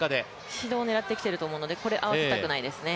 指導を狙ってきていると思うのでこれは合わせたくないですね。